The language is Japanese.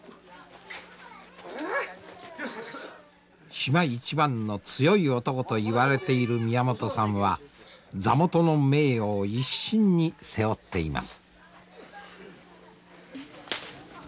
島一番の強い男といわれている宮本さんは座元の名誉を一身に背負っています。